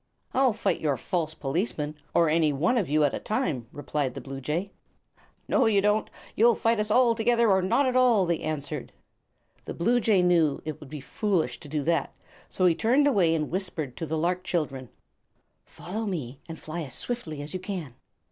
"I'll fight your false policeman, or any one of you at a time," replied the bluejay. "No, you won't; you'll fight us all together, or not at all," they answered. The bluejay knew it would be foolish to do that, so he turned away and whispered to the lark children: "Follow me, and fly as swiftly as you can."